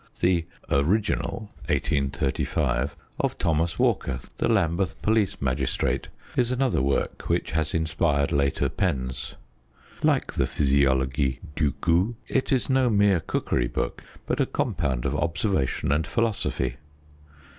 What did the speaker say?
The Original (1835) of Thomas Walker, the Lambeth police magistrate, is another work which has inspired later pens. Like the Physiologie du gout, it is no mere cookery book, but a compound of observation and philosophy.